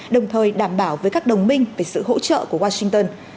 đồng thời đảm bảo với các đồng minh về sự hỗ trợ của washington